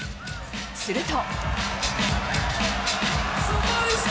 すると。